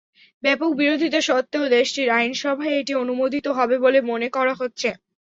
ব্যাপক বিরোধিতা সত্ত্বেও দেশটির আইনসভায় এটি অনুমোদিত হবে বলে মনে করা হচ্ছে।